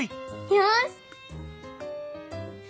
よし！